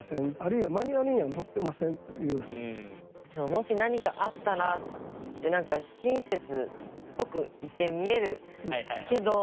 「もし何かあったら」って親切っぽく一見見えるけど。